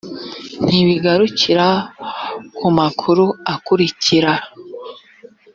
ntibigarukira ku makuru akurikira